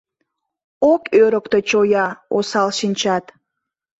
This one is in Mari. Ок ӧрыктӧ чоя, осал шинчат.